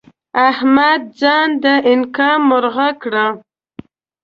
احمد ځان د انقا مرغه کړی؛